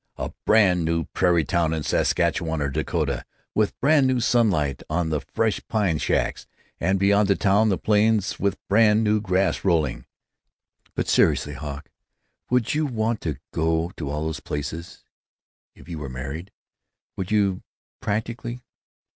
a brand new prairie town in Saskatchewan or Dakota, with brand new sunlight on the fresh pine shacks, and beyond the town the plains with brand new grass rolling." "But seriously, Hawk, would you want to go to all those places, if you were married? Would you, practically?